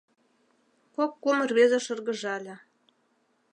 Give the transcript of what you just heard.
Кок-кум рвезе шыргыжале.